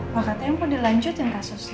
pokoknya mampu dilanjutin